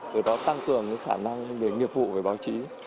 từ đó tăng cường khả năng về nghiệp vụ về báo chí